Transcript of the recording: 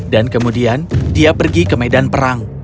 kemudian dia pergi ke medan perang